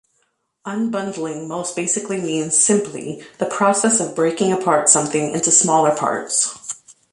"Unbundling" most basically means simply the "process of breaking apart something into smaller parts.